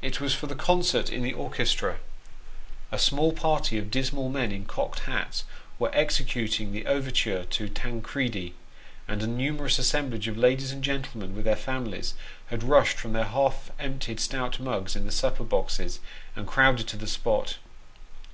It was for the concert in the orchestra. A small party of dismal men in cocked hats were " executing " the overture to Tancredi, and a numerous assemblage of ladies and gentlemen, with their families, had rushed from their half emptied stout mugs in the supper boxes, and crowded to the spot.